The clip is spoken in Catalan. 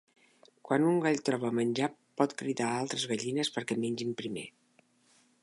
Quan un gall troba menjar, pot cridar a altres gallines perquè mengin primer.